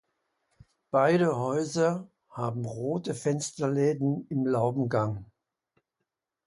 Beide Häuser haben rote Fensterläden im Laubengang.